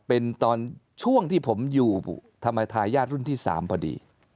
เป็นตอนช่วงที่ผมอยู่ธรรมทายาทรุ่นที่๓พอดี